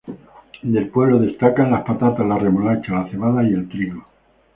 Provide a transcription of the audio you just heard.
Del pueblo destacan las patatas, la remolacha, la cebada, y el trigo.